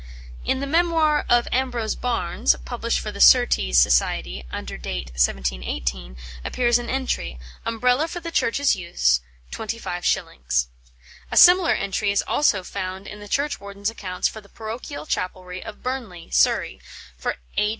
In the "Memoir of Ambrose Barnes," published for the Surtees Society, under date 1718, appears an entry, "Umbrella for the Church's use, 25s." A similar entry is also found in the churchwarden's accounts for the parochial chapelry of Burnley, Surrey, for A.